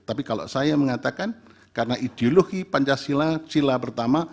tapi kalau saya mengatakan karena ideologi pancasila sila pertama